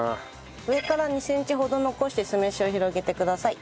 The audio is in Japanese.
上から２センチほど残して酢飯を広げてください。